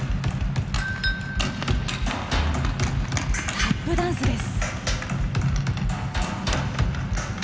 タップダンスです。